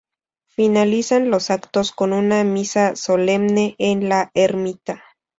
Finalizan los actos con una misa solemne en la ermita.